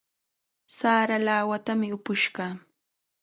Sara lawatami upush kaa.